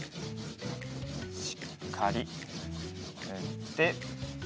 しっかりぬって。